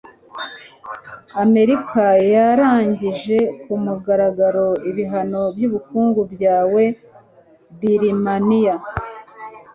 amerika yarangije ku mugaragaro ibihano by'ubukungu byahawe birmaniya